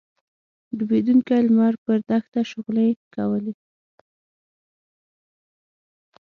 ډوبېدونکی لمر پر دښته شغلې کولې.